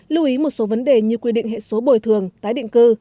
lưu ý một số vấn đề như quy định hệ số bồi thường tái định cư